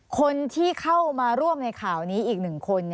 คนที่เข้ามาร่วมในข่าวนี้อีก๑คน